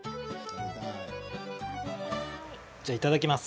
じゃあ、いただきます。